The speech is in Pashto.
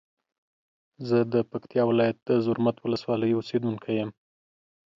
زه د پکتیا ولایت د زرمت ولسوالی اوسیدونکی یم.